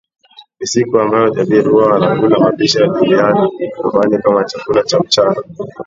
Ni siku ambayo Jabir huwa anakula mapishi ya Juliana nyumbani kama chakula cha mchana